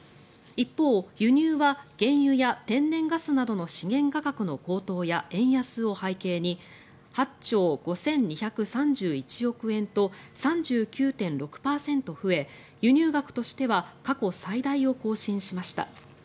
一方、輸入は原油や天然ガスなどの資源価格の高騰や円安を背景に８兆５２３１億円と３９．６％増え輸入額としては過去最大を更新しました。